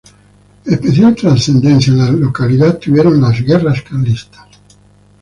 Especial trascendencia en la localidad tuvieron las Guerras Carlistas.